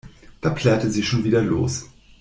Da plärrte sie schon wieder los.